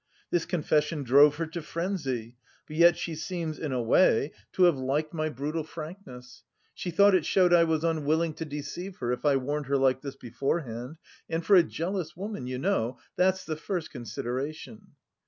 This confession drove her to frenzy, but yet she seems in a way to have liked my brutal frankness. She thought it showed I was unwilling to deceive her if I warned her like this beforehand and for a jealous woman, you know, that's the first consideration.